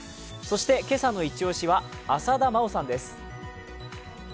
そして今朝のイチ押しは浅田真央さんです。